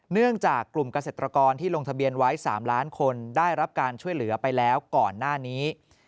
เนื่องจากกลุ่มเกษตรกรที่ลงทะเบียนไว้๓ล้านคนได้รับการช่วยเหลือไปแล้วก่อนหน้านี้